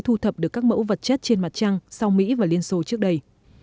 thu thập được các mẫu vật chất trên mặt trăng sau mỹ và liên xô trước đây